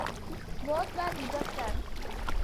Both were rejected.